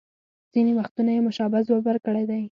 ځینې وختونه یې مشابه ځواب ورکړی دی